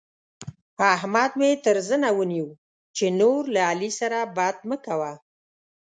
احمد مې تر زنه ونيو چې نور له علي سره بد مه کوه.